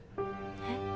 えっ？